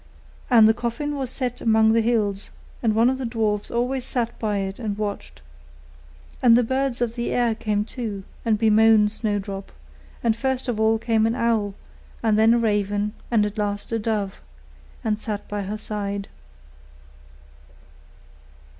And the coffin was set among the hills, and one of the dwarfs always sat by it and watched. And the birds of the air came too, and bemoaned Snowdrop; and first of all came an owl, and then a raven, and at last a dove, and sat by her side.